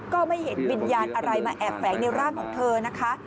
ก็ไม่เห็นวิญญาณอะไรมาแอบแฝงในร่างของเธอนะคะ